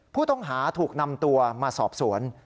ผู้ต้องหาถูกนำตัวมาสอบสวน